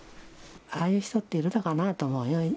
ああいう人っているのかなと思うよ。